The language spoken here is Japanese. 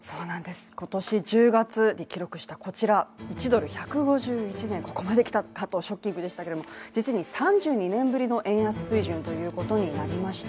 今年１０月に記録した１ドル＝１５１円、ここまで来たかとショッキングでしたけれども、実に３２年ぶりの円安水準ということになりました。